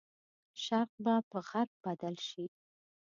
شرق به په غرب بدل شي.